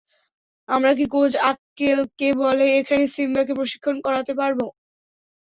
আমরা কি coach uncle কে বলে এখানে সিম্বাকে প্রশিক্ষণ করাতে পারব?